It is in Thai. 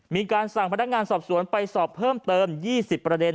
มีการสั่งพนักงานสอบสวนไปสอบเพิ่มเติม๒๐ประเด็น